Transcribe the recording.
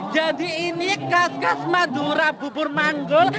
jadi ini khas khas madura bubur manggul